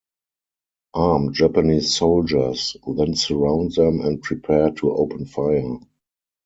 Armed Japanese soldiers then surround them and prepare to open fire.